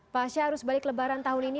pasya arus balik lebaran tahun ini